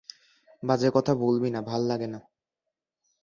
বাজে কথা বলবি না, ভাল্লাগে না।